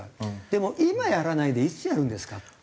でも今やらないでいつやるんですかと僕は思います。